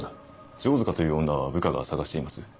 城塚という女は部下が捜しています。